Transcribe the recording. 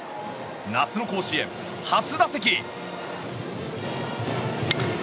夏の甲子園初打席。